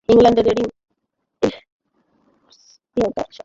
ইংল্যান্ডের radio Yorkshire জানিয়েছে, ব্ল্যাটারকে পেলে তারা নিজেদের ধন্য মনে করবে।